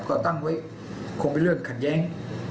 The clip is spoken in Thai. ก็ตั้งไว้คงเป็นเรื่องขัดแย้ง